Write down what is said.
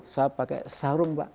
saya pakai sarung pak